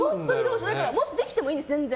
もしできてもいいんです、全然。